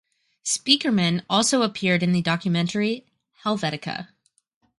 Spiekermann also appeared in the documentary "Helvetica".